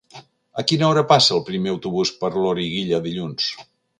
A quina hora passa el primer autobús per Loriguilla dilluns?